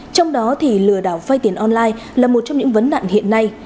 trong đó thì lừa đảo vai tiền online là một trong những vấn đạn hiện nay